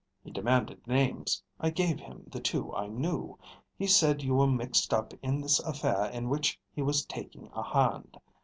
He demanded names. I gave him the two I knew. He said you were mixed up in this affair in which he was taking a hand.